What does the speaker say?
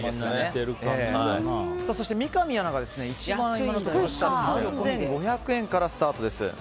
そして三上アナが一番今のところ下で３５００円からスタートです。